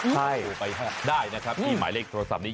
ให้โทรไปได้นะครับที่หมายเลขโทรศัพท์นี้